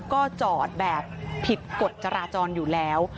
ก็จอดแบบผิดกฎจราจรอยู่แล้ว